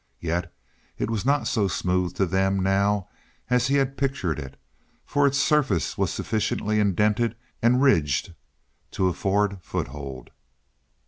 Yet it was not so smooth to them now as he had pictured it, for its surface was sufficiently indented and ridged to afford foothold.